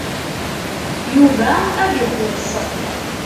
Yuba ad ixuṣ.